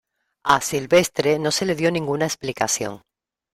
A Sylvestre no se le dio ninguna explicación.